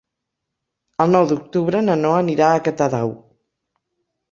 El nou d'octubre na Noa anirà a Catadau.